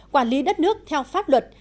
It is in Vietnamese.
quản lý đất nước theo pháp luật